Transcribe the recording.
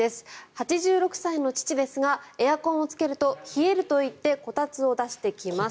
８６歳の父ですがエアコンをつけると冷えると言ってこたつを出してきます。